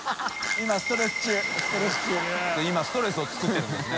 今ストレスを作ってるんですね。